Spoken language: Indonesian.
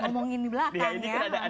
ngomongin di belakang ya